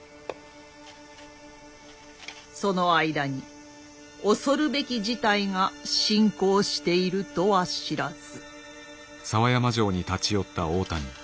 その間に恐るべき事態が進行しているとは知らず。